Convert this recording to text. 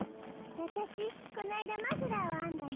わたしこのあいだマフラーをあんだの。